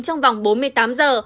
trong vòng bốn mươi tám giờ